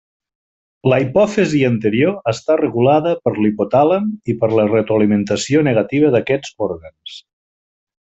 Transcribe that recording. La hipòfisi anterior està regulada per l'hipotàlem i per la retroalimentació negativa d'aquests òrgans.